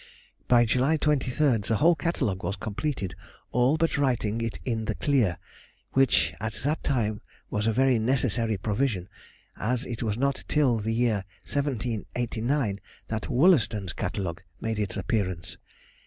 By July 23rd the whole Catalogue was completed all but writing it in the clear, which at that time was a very necessary provision, as it was not till the year 1789 that Wollaston's Catalogue made its appearance.